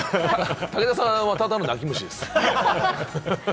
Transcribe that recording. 武田さんは、ただの泣き虫です。